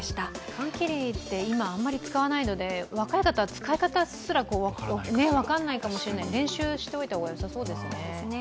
缶切りって今、あんまり使わないので若い方は使い方すら分からないかもしれない練習しておいた方がよさそうですね。